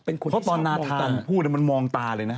เพราะตอนนาธานพูดมันมองตาเลยนะ